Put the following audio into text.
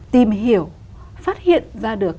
tìm hiểu phát hiện ra được